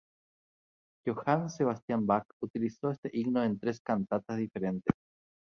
Johann Sebastian Bach utilizó este himno en tres cantatas diferentes.